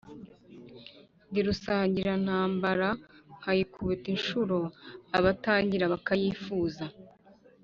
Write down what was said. Ndi rusanganirantambara, nkayikubita inshuro abatangira bakanyifuza;